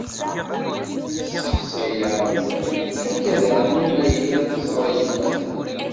Testeqsa-aɣ-d akk daɣenni ma yella tezṛa yemma-tneɣ.